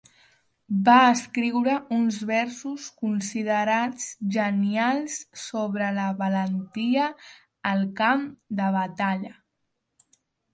Va escriure uns versos considerats genials sobre la valentia al camp de batalla.